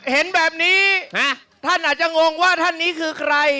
เห็นแบบนี้ท่านอาจจะงงว่าท่านนี้คือใคร